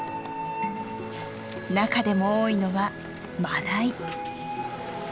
中でも多いのはマダイ。